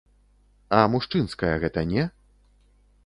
А мужчынская гэта не?